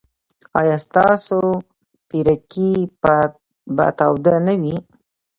ایا ستاسو پیرکي به تاوده نه وي؟